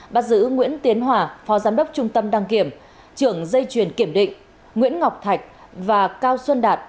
bắt giữ nguyễn tiến hòa phó giám đốc trung tâm đăng kiểm trưởng dây truyền kiểm định nguyễn ngọc thạch và cao xuân đạt